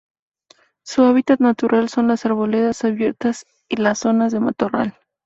Su hábitat natural son las arboledas abiertas y las zonas de matorral.